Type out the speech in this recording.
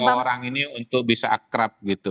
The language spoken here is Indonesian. kalau orang ini untuk bisa akrab gitu